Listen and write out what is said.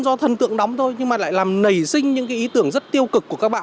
do thần tượng đóng thôi nhưng mà lại làm nảy sinh những cái ý tưởng rất tiêu cực của các bạn